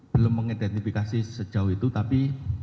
belum mengidentifikasi sejauh itu tapi